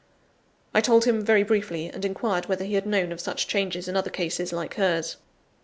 I told him very briefly, and inquired whether he had known of such changes in other cases, like hers.